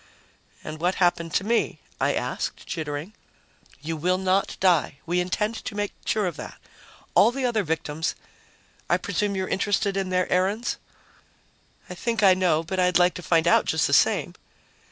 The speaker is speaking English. "And what happened to me?" I asked, jittering. "You will not die. We intend to make sure of that. All the other victims I presume you're interested in their errands?" "I think I know, but I'd like to find out just the same."